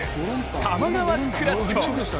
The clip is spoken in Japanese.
多摩川クラシコ。